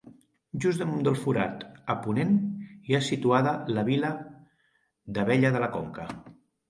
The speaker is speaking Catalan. Just damunt del forat, a ponent, hi ha situada la vila d'Abella de la Conca.